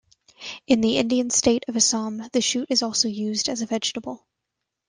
In the Indian state of Assam, the shoot is also used as vegetable.